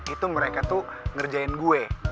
itu mereka tuh ngerjain gue